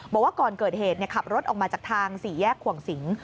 บอกว่าก่อนเกิดเหตุขับรถออกมาจากทางสี่แยกขวงสิง